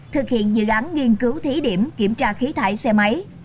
thực hiện dự án nghiên cứu thí điểm kiểm tra khí thải xe máy